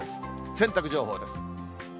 洗濯情報です。